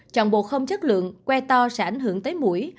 chọn bộ không chất lượng que to sẽ ảnh hưởng tới mũi